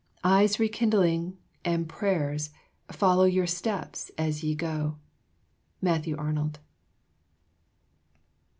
Eyes rekindling, and prayers, Follow your steps as ye go. MATTHEW ARNOLD.